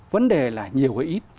vấn đề là nhiều hay ít